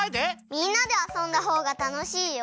みんなであそんだほうがたのしいよ。